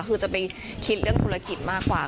คือจะไปคิดเรื่องธุรกิจมากกว่า